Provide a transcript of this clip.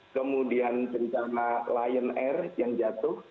kemudian bencana lion air yang jatuh